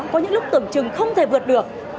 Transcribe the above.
có những lúc tưởng chừng không thể vượt được